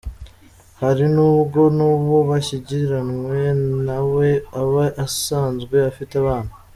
Hari n’ubwo n’uwo bashyingiranwe na we aba asanzwe afite abana.